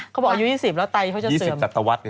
เขาบอกอายุ๒๐แล้วไตเขาจะเสื่อม๒๐จัดตะวัด